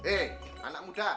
eh anak muda